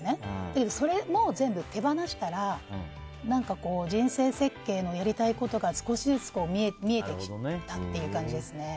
だけど、それも全部手放したら人生設計のやりたいことが少しずつ見えてきたという感じですね。